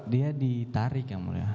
dia ditarik yang mulia